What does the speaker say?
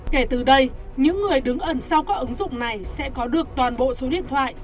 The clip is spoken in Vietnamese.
kể từ đây những người đứng ẩn sau các ứng dụng này sẽ có được toàn bộ số điện thoại